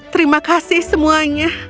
terima kasih semuanya